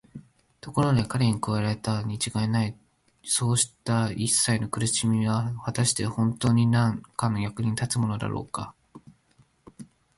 ところで彼に加えられるにちがいないそうしたいっさいの苦しみは、はたしてほんとうになんかの役に立つものだろうか。